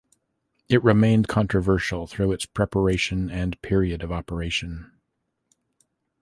It remained controversial through its preparation and period of operation.